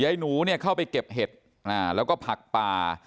หนูเนี่ยเข้าไปเก็บเห็ดแล้วก็ผักป่า